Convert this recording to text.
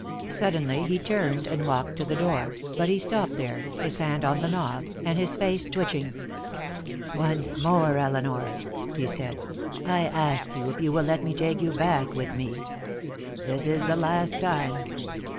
Suddenly he turned and walked to the door; but he stopped there, his hand on the knob, and us face twitching. "Once more, Elinor," he said, "I ask you if you will let me take you back with me. This is the last time.